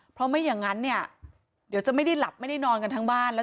เพราะไม่อย่างนั้นเนี่ยเดี๋ยวจะไม่ได้หลับไม่ได้นอนกันทั้งบ้านแล้ว